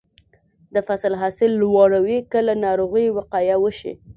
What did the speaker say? د فصل حاصل لوړوي که له ناروغیو وقایه وشي.